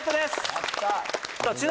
やった！